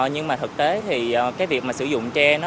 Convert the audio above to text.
nhưng mà thực tế thì cái việc sử dụng tre